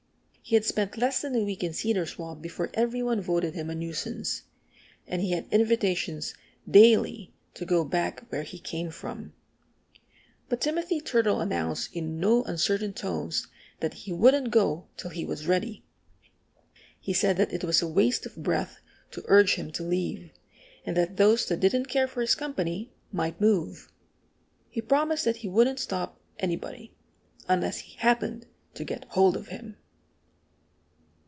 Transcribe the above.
He had spent less than a week in Cedar Swamp before every one voted him a nuisance. And he had invitations, daily, to go back where he came from. But Timothy Turtle announced in no uncertain tones that he wouldn't go till he was ready. He said that it was a waste of breath to urge him to leave, and that those that didn't care for his company might move. He promised that he wouldn't stop anybody unless he happened to get hold of him!